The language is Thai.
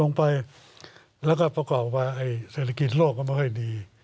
ลงไปแล้วก็ประกอบว่าเศรษฐกิจโลกก็ไม่ค่อยดี